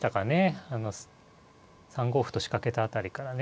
３五歩と仕掛けた辺りからね